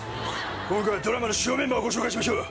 今回はドラマの主要メンバーをご紹介しましょう。